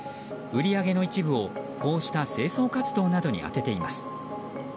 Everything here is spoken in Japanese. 売り上げの一部をこうした清掃活動などに充てています。